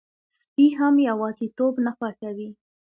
سپي هم یواځيتوب نه خوښوي.